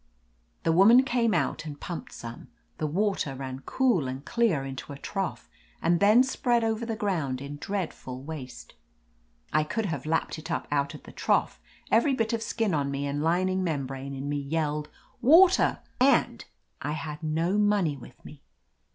The woman came out and piunped some. The water ran cool and clear into a trough and then spread over the ground in dreadful waste. I could have lapped it up out of the trough; every bit of skin on me and lining membrane in me yelled "Water !" and — ^I had no money with me